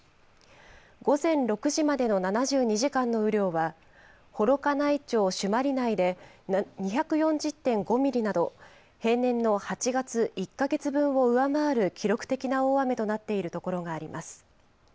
午前６時までの７２時間の雨量は、幌加内町朱鞠内で２４０．５ミリなど、平年の８月１か月分を上回る記録的な大雨となっている所があります。